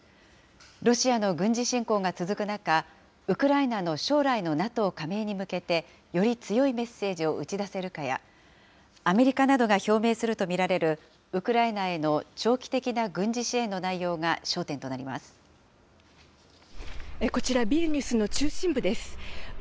ロシアの軍事侵攻が続く中、ウクライナの将来のＮＡＴＯ加盟に向けて、より強いメッセージを打ち出せるかや、アメリカなどが表明すると見られるウクライナへの長期的な軍事支こちら、ビリニュスの中心部です。